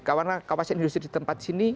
kawasan industri di tempat sini